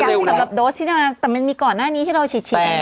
อันนั้นยังสำหรับโดสที่เราแต่มันมีก่อนหน้านี้ที่เราฉีดอันนี้ด้วย